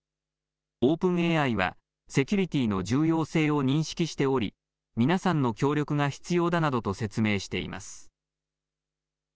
オープンＡＩは、セキュリティーの重要性を認識しており、皆さんの協力が必要だなどと説明しています。